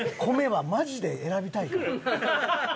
米はマジで選びたいから。